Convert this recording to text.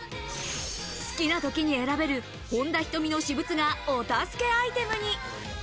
好きな時に選べる本田仁美の私物がお助けアイテムに。